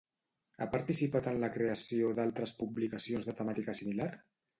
Ha participat en la creació d'altres publicacions de temàtica similar?